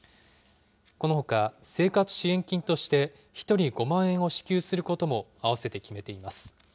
このほか、生活支援金として１人５万円を支給することも、併せて決めています。